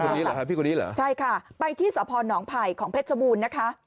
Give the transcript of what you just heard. พี่คุณนี้เหรอพี่คุณนี้เหรอใช่ค่ะไปที่สะพอนหนองไผ่ของเพชรชมูลนะคะ